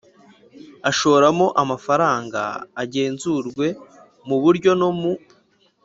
ashoramo amafaranga agenzurwe mu buryo no mu